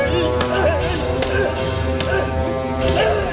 นักประวัติศาสตร์สุดท้าย